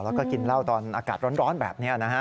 แล้วก็กินเหล้าตอนอากาศร้อนแบบนี้นะฮะ